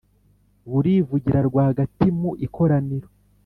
burivugira rwagati mu ikoraniro.